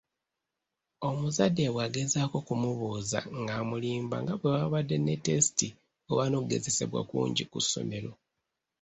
Omuzadde bw'agezaako okumubuuza, ng'amulimba nga bwe babadde ne testi oba n'okugezesebwa kungi ku ssomero.